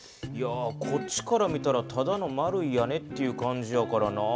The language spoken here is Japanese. こっちから見たらただの丸い屋根っていう感じやからなぁ。